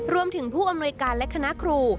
รวมถึงผู้อำนวยการและคณะครู